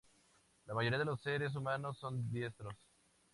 La mayoría de los seres humanos son diestros.